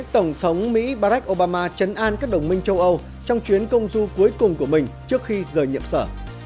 tổng thống mỹ barack obama chấn an các đồng minh châu âu trong chuyến công du cuối cùng của mình trước khi rời nhiệm sở